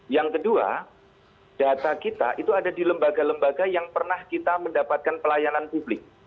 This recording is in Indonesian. yang kedua data kita itu ada di lembaga lembaga yang pernah kita mendapatkan pelayanan publik